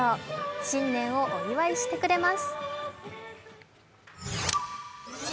新年をお祝いしてくれます。